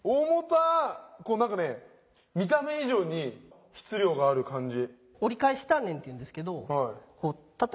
何かね見た目以上に質量がある感じ。